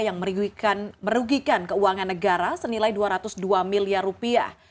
yang merugikan keuangan negara senilai dua ratus dua miliar rupiah